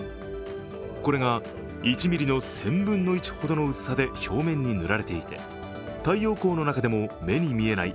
これが１ｍｍの１０００分の１ほどの薄さで表面に塗られていて太陽光の中でも目に見えない